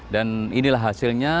dan inilah hasilnya